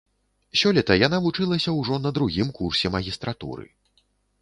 Сёлета яна вучылася ўжо на другім курсе магістратуры.